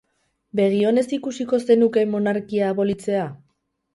Begi onez ikusiko zenuke monarkia abolitzea?